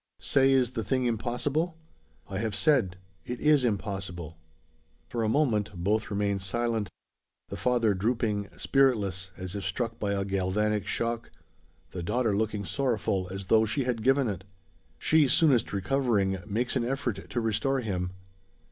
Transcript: Say, is the thing impossible?" "I have said. It is impossible!" For a moment both remain silent; the father drooping, spiritless, as if struck by a galvanic shock; the daughter looking sorrowful, as though she had given it. She soonest recovering, makes an effort to restore him.